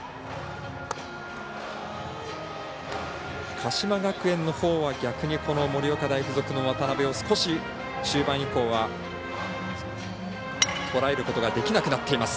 鹿島学園のほうは逆に盛岡大付属の渡邊を少し中盤以降はとらえることができなくなっています。